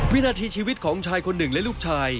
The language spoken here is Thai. วินาทีชีวิตของชายคนหนึ่งและลูกชาย